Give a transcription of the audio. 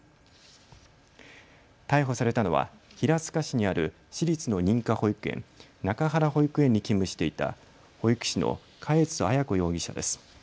逮捕されたのは平塚市にある私立の認可保育園、中原保育園に勤務していた保育士の嘉悦彩子容疑者です。